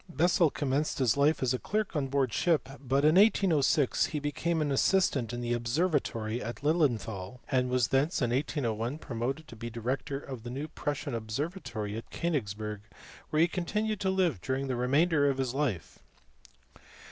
Bessel commenced his life as a clerk on board ship, but in 1806 he became an assistant in the observatory at Lilienthal, and was thence in 1801 promoted to be director of the new Prussian observatory at Konigsberg where he continued to live during the remainder of his life.